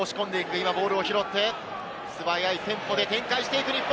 今、ボールを拾って、素早いテンポで展開していく、日本。